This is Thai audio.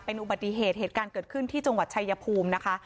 อุบัติเหตุเหตุการณ์เกิดขึ้นที่จังหวัดชายภูมินะคะ